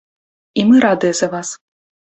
І мы радыя за вас.